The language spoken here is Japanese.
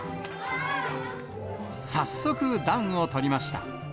早速、暖をとりました。